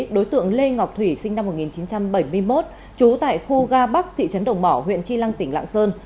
đối tượng lê ngọc thủy sinh năm một nghìn chín trăm bảy mươi một trú tại khu ga bắc thị trấn đồng mỏ huyện tri lăng tỉnh lạng sơn